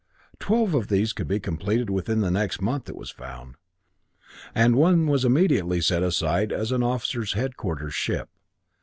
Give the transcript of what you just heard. Twelve of these could be completed within the next month, it was found; and one was immediately set aside as an officers' headquarters ship.